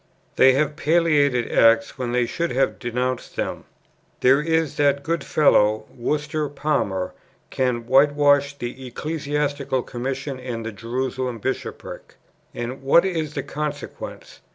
They have palliated acts, when they should have denounced them. There is that good fellow, Worcester Palmer, can whitewash the Ecclesiastical Commission and the Jerusalem Bishopric. And what is the consequence?